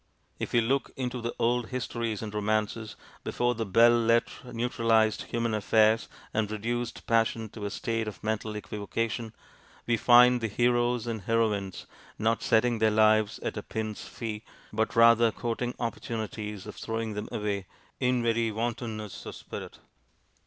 If we look into the old histories and romances, before the belles lettres neutralised human affairs and reduced passion to a state of mental equivocation, we find the heroes and heroines not setting their lives 'at a pin's fee,' but rather courting opportunities of throwing them away in very wantonness of spirit.